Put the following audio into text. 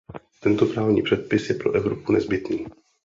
Tento právní předpis je pro Evropu nezbytný.